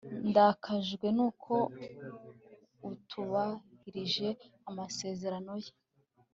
Ndakajwe nuko atubahirije amasezerano ye